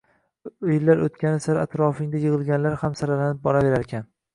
Yillar oʻtgani sari atrofingda yigʻilganlar ham saralanib boraverarkan.